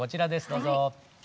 どうぞ。